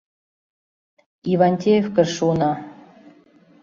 Ивантеевкыш шуына.